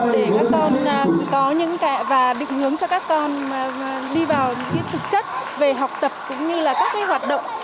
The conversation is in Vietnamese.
để các con có những kẻ và định hướng cho các con đi vào những thực chất về học tập cũng như là các hoạt động